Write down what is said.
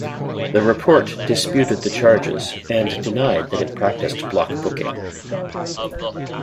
The report disputed the charges, and denied that it practiced block booking.